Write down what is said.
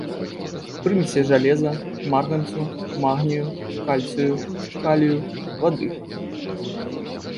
Прымесі жалеза, марганцу, магнію, кальцыю, калію, вады.